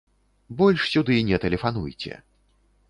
Больш сюды не тэлефануйце.